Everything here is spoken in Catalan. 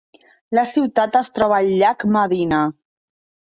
La ciutat es troba al llac Medina.